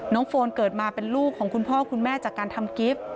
โฟนเกิดมาเป็นลูกของคุณพ่อคุณแม่จากการทำกิฟต์